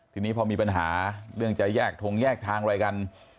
ทีนี้พอมีปัญหาเรื่องจะแยกทงแยกทางอะไรกัน